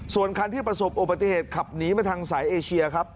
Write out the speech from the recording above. ส่วนคันที่ประสบอุบัติเหตุขับหนีมาทางสายเอเชียครับ